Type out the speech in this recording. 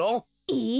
えっ？